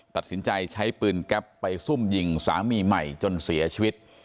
ตัดสินใจใช้ปืนแก๊ปไปซุ่มยิงสามีใหม่จนเสียชีวิต